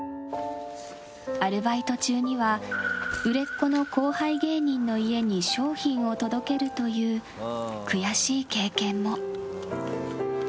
アルバイト中には売れっ子の後輩芸人の家に商品を届けるという悔しい経験も。